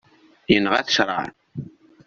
Yenɣa-t ccreɛ.